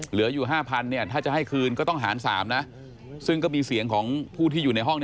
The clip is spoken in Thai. เหลืออยู่๕๐๐เนี่ยถ้าจะให้คืนก็ต้องหาร๓นะซึ่งก็มีเสียงของผู้ที่อยู่ในห้อง